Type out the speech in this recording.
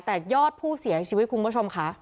แต่ยอดผู้เสียชีวิตคุณผู้ชมค่ะ